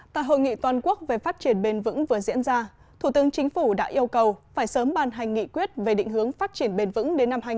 tại hội nghị toàn quốc về phát triển bền vững vừa diễn ra thủ tướng chính phủ đã yêu cầu phải sớm ban hành nghị quyết về định hướng phát triển bền vững